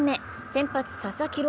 先発・佐々木朗